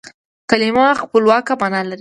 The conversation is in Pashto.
کلیمه خپلواکه مانا لري.